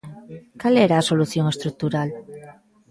¿Cal era a solución estrutural?